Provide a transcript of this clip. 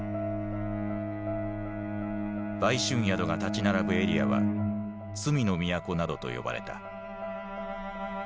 売春宿が立ち並ぶエリアは「罪の都」などと呼ばれた。